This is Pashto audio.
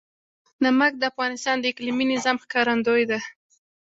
نمک د افغانستان د اقلیمي نظام ښکارندوی ده.